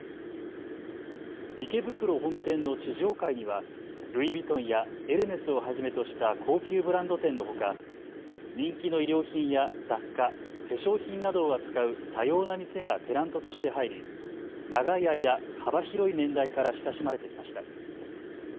池袋本店の地上階にはルイ・ヴィトンやエルメスをはじめとした高級ブランド店のほか人気の衣料品や雑貨、化粧品などを扱う多様な店がテナントとして入り、長い間幅広い年代から親しまれてきました。